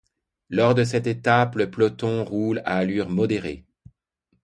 Lors de cette étape, le peloton roule à allure modérée.